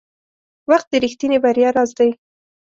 • وخت د رښتیني بریا راز دی.